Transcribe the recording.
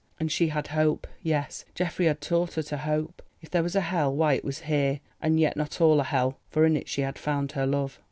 And she had hope, yes, Geoffrey had taught her to hope. If there was a Hell, why it was here. And yet not all a Hell, for in it she had found her love!